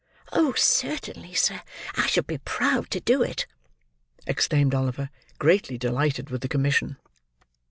"Oh! certainly, sir; I shall be proud to do it," exclaimed Oliver, greatly delighted with the commission.